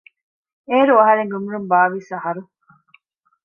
އޭރު އަހަރެންގެ އުމުރުން ބާވީސް އަހަރު